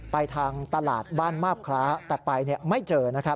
ไปทางตลาดบ้านมาบคล้าแต่ไปไม่เจอนะครับ